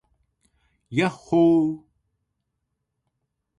yahhoo